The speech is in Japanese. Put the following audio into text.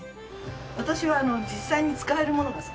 私は実際に使えるものが好きで。